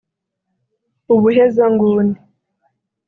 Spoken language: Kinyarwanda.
ubuhezanguni